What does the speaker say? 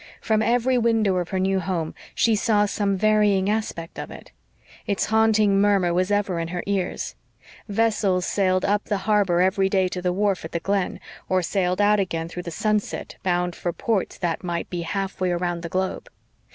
From every window of her new home she saw some varying aspect of it. Its haunting murmur was ever in her ears. Vessels sailed up the harbor every day to the wharf at the Glen, or sailed out again through the sunset, bound for ports that might be half way round the globe.